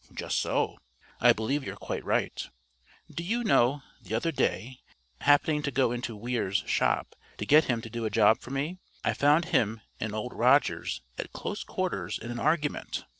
"Just so. I believe you're quite right. Do you know, the other day, happening to go into Weir's shop to get him to do a job for me, I found him and Old Rogers at close quarters in an argument?